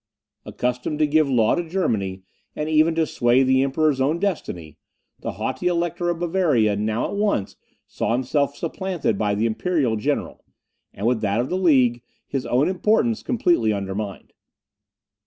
Accustomed to give law to Germany, and even to sway the Emperor's own destiny, the haughty Elector of Bavaria now at once saw himself supplanted by the imperial general, and with that of the League, his own importance completely undermined.